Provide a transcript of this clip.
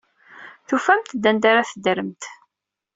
Tufamt-d anda ara teddremt.